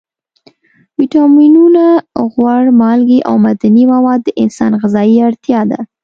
ویټامینونه، غوړ، مالګې او معدني مواد د انسان غذایي اړتیا ده.